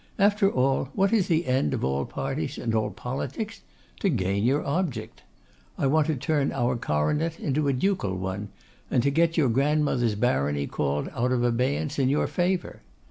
After all, what is the end of all parties and all politics? To gain your object. I want to turn our coronet into a ducal one, and to get your grandmother's barony called out of abeyance in your favour.